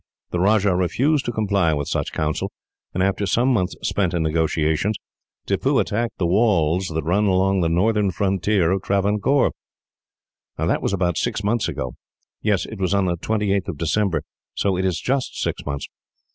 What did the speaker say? The Rajah refused to comply with such counsel, and after some months spent in negotiations, Tippoo attacked the wall that runs along the northern frontier of Travancore. "That was about six months ago. Yes, it was on the 28th of December so it is just six months.